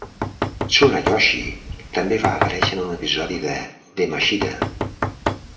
Tsunayoshi també va aparèixer en un episodi de "Demashita!